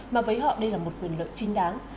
mà với họ đây là một quyền lợi chính đáng